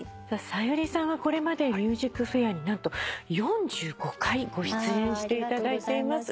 さゆりさんはこれまで『ＭＵＳＩＣＦＡＩＲ』になんと４５回ご出演していただいてます。